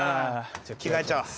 じゃあ着替えちゃおう。